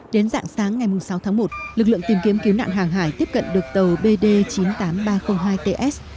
đến dạng sáng ngày sáu tháng một lực lượng tìm kiếm cứu nạn hàng hải tiếp cận được tàu bd chín mươi tám nghìn ba trăm linh hai ts